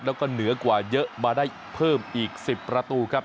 แล้วก็เหนือกว่าเยอะมาได้เพิ่มอีก๑๐ประตูครับ